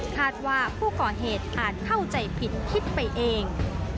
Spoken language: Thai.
คาดว่าผู้ก่อเหตุอาจเข้าใจผิดคิดไปเอง